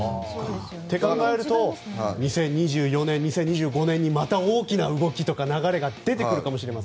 そう考えると２０２４年、２０２５年にまた大きな動き流れが出てくるかもしれない。